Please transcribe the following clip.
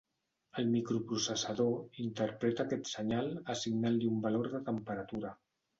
El microprocessador interpreta aquest senyal assignant-li un valor de temperatura.